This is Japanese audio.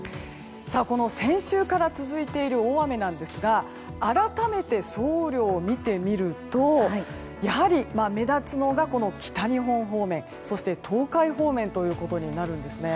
この先週から続いている大雨ですが改めて総雨量を見てみるとやはり、目立つのが北日本方面そして東海方面ということになるんですね。